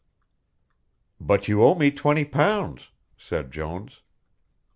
"But you owe me twenty pounds," said Jones.